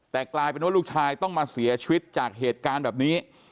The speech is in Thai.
แต่กลายเป็นว่าลูกชายต้องมาเสียชีวิตจากเหตุการณ์แบบนี้